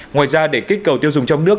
ngoài ra để kích cầu tiêu dùng trong nước